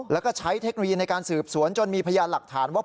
แล้วก็ใช้เทคโนโลยีในการสืบสวนจนมีพยานหลักฐานว่า